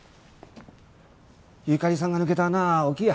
ゆかりさんが抜けた穴は大きいや。